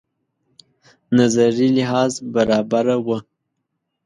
نظري لحاظ برابره وه.